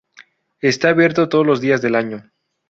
Está abierto todos los días del año.